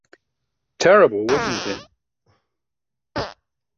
Terrible, wasn't it?